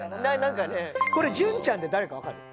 これ「純ちゃん」って誰かわかる？